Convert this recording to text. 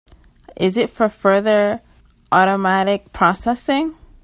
Is it for further automatic processing?